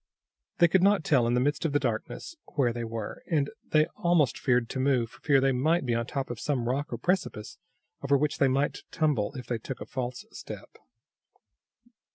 They could not tell, in the midst of the darkness, where they were, and they almost feared to move for fear they might be on top of some rock or precipice, over which they might tumble if they took a false step.